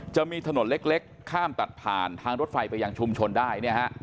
จะมีถนนเล็กข้ามตัดผ่านทางรถไฟไปอย่างชุมชนได้